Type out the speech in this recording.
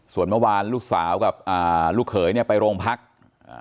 ส่วนเมื่อวานลูกสาวกับอ่าลูกเขยเนี่ยไปโรงพักอ่า